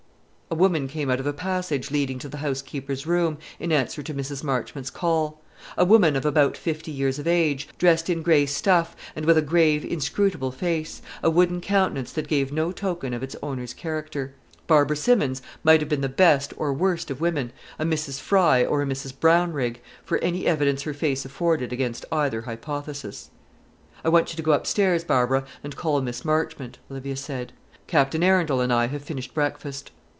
A woman came out of a passage leading to the housekeeper's room, in answer to Mrs. Marchmont's call; a woman of about fifty years of age, dressed in gray stuff, and with a grave inscrutable face, a wooden countenance that gave no token of its owner's character. Barbara Simmons might have been the best or the worst of women, a Mrs. Fry or a Mrs. Brownrigg, for any evidence her face afforded against either hypothesis. "I want you to go up stairs, Barbara, and call Miss Marchmont," Olivia said. "Captain Arundel and I have finished breakfast."